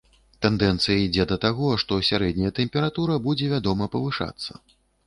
Тэндэнцыя ідзе да таго, што сярэдняя тэмпература будзе, вядома, павышацца.